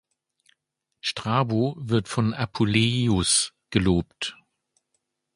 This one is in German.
Strabo wird von Apuleius gelobt.